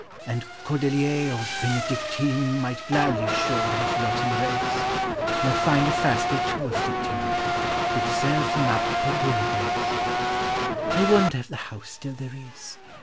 And Cordelier or Benedictine Might gladly, sure, his lot embrace, Nor find a fast day too afflicting, Which served him up a Bouillabaisse. I wonder if the house still there is?